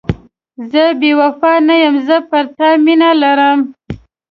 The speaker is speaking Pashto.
زه بې وفا نه یم، زه پر تا مینه لرم.